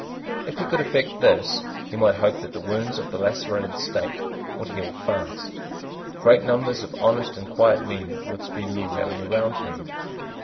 If he could effect this, he might hope that the wounds of the lacerated State would heal fast. Great numbers of honest and quiet men would speedily rally round him.